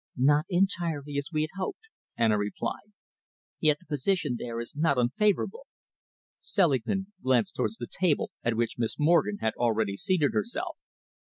"Not entirely as we had hoped," Anna replied, "yet the position there is not unfavourable." Selingman glanced towards the table at which Miss Morgen had already seated herself.